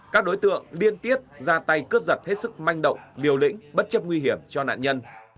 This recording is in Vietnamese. các đối tượng liên tiếp ra tay cướp giật hết sức manh động liều lĩnh bất chấp nguy hiểm cho nạn nhân